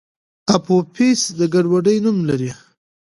اپوفیس د ګډوډۍ نوم لري.